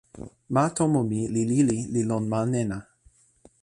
ma tomo mi li lili li lon ma nena.